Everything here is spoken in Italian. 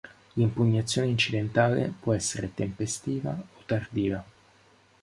L'impugnazione incidentale può essere tempestiva o tardiva.